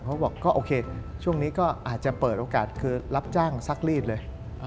เขาบอกก็โอเคช่วงนี้ก็อาจจะเปิดโอกาสคือรับจ้างซักรีดเลย